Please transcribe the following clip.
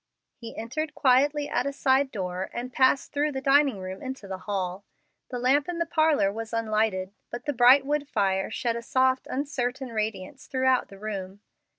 He entered quietly at a side door and passed through the dining room into the hall. The lamp in the parlor was unlighted, but the bright wood fire shed a soft, uncertain radiance throughout the room.